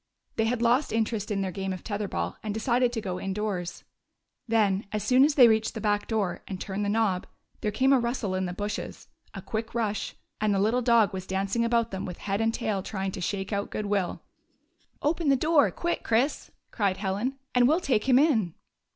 They had lost interest in their game of tether ball and decided to go indoors. Then, as they reached the back door and turned the knob, there came a rustle in the bushes, a quick rush, and the little dog was danc ing about them with head and tail trying to shake out good will. 5i GYPSY, THE TALKING DOG "Open the door, quick, Chris !" cried Helen, " and we 'll take him in."